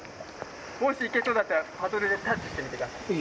もし行けそうだったらパドルでタッチしてみてください。